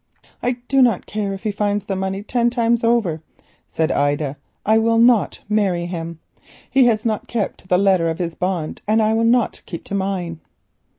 "I do not care if he finds the money ten times over," said Ida, "I will not marry him. He has not kept to the letter of his bond and I will not keep to mine."